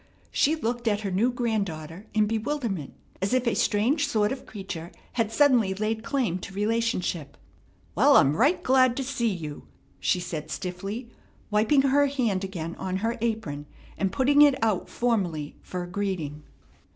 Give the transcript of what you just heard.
She looked at her new granddaughter in bewilderment, as if a strange sort of creature had suddenly laid claim to relationship. "Well, I'm right glad to see you," she said stiffly, wiping her hand again on her apron and putting it out formally for a greeting.